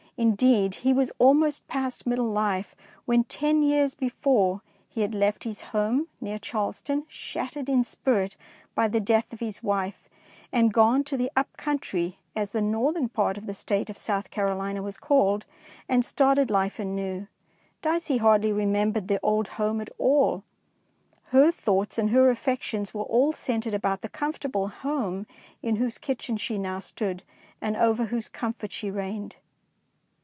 Indeed,. he was almost past mid dle life when, ten years before, he had left his home near Charleston, shattered in spirit by the death of his wife, and gone to the "Up Country," as the northern part of the State of South Carolina was called, and started life anew. Dicey hardly remembered the old home at all. Her thoughts and her affections were all centred about the comfortable home in whose kitchen she now stood, and over whose comfort she reigned.